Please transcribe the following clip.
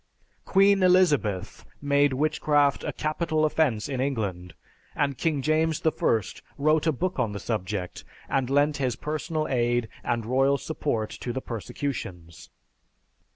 Queen Elizabeth made witchcraft a capital offense in England; and King James I wrote a book on the subject, and lent his personal aid and royal support to the persecutions.